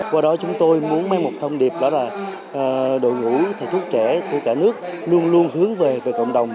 qua đó chúng tôi muốn mang một thông điệp đó là đội ngũ thầy thuốc trẻ của cả nước luôn luôn hướng về về cộng đồng